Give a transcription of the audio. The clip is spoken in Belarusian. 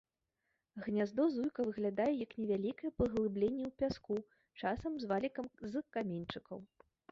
Гняздо зуйка выглядае як невялікае паглыбленне ў пяску, часам з валікам з каменьчыкаў.